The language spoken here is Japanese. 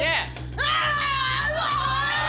うわ！